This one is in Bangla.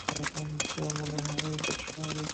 বরঞ্চ মনে হয়, এই তো স্বাভাবিক।